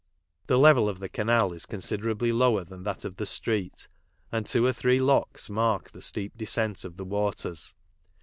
The level of tho canal is con siderably lower than that of the street, and two or three locks mark the steep descent of the waters.